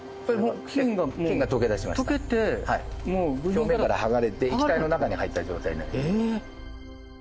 表面から剥がれて液体の中に入った状態になります。